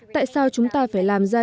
tại sao chúng ta phải làm ra